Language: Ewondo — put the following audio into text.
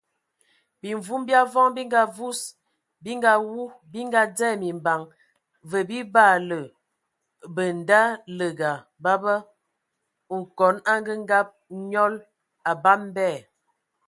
Bimvum bi avɔŋ bi ngavus, bi ngawu, bi ngadzɛ mimbaŋ və bi baala bə ndaləga baba(kon angəngab nẏɔl, abam bɛ).